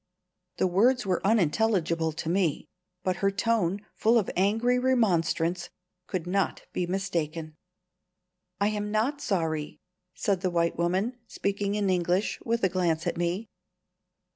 The words were unintelligible to me, but her tone, full of angry remonstrance, could not be mistaken. "I am not sorry," said the white woman, speaking in English, with a glance at me.